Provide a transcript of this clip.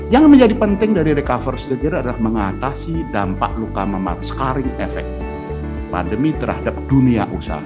yang menjadi penting dari recover sendiri adalah mengatasi dampak luka memaksaring efek pandemi terhadap dunia usaha